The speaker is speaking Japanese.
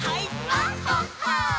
「あっはっは」